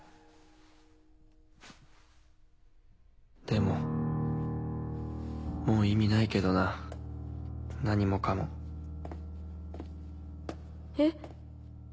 でももう意味ないけどな何もかも。え？